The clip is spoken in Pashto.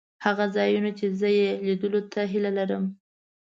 هغه ځایونه چې زه یې لیدلو ته هیله لرم.